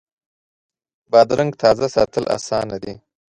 بادرنګ تازه ساتل اسانه دي.